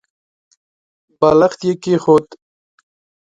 بالښت يې کېښود.